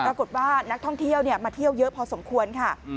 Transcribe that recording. ปรากฏว่านักท่องเที่ยวมาเที่ยวเยอะพอสมควรค่ะ